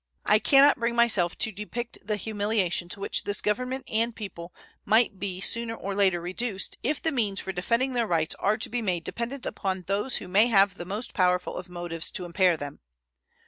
I can not bring myself to depict the humiliation to which this Government and people might be sooner or later reduced if the means for defending their rights are to be made dependent upon those who may have the most powerful of motives to impair them.